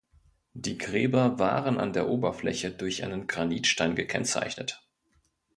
Die Gräber waren an der Oberfläche durch einen Granitstein gekennzeichnet.